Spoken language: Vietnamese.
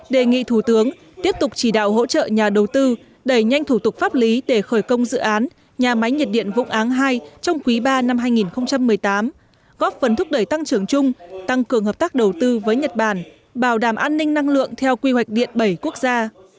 đề nghị thủ tướng tiếp tục chỉ đạo hỗ trợ nhà đầu tư đẩy nhanh thủ tục pháp lý để khởi công dự án nhà máy nhiệt điện vũng áng hai trong quý ba năm hai nghìn một mươi tám góp phần thúc đẩy tăng trưởng chung tăng cường hợp tác đầu tư với nhật bản bảo đảm an ninh năng lượng theo quy hoạch điện bảy quốc gia